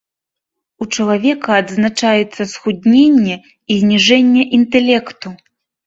У чалавека адзначаецца схудненне і зніжэнне інтэлекту.